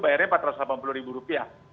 itu bayarnya rp empat ratus delapan puluh